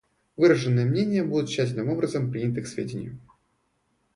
Выраженные мнения будут тщательным образом приняты к сведению.